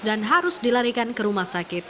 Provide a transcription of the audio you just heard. dan harus dilarikan ke rumah sakit